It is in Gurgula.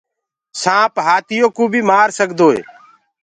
سآنٚپ هآتِيوڪو بي مآرسگدوئي